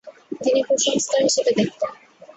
তিনি কুসংস্কার হিসেবে দেখতেন।